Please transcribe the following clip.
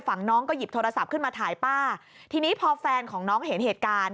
น้องก็หยิบโทรศัพท์ขึ้นมาถ่ายป้าทีนี้พอแฟนของน้องเห็นเหตุการณ์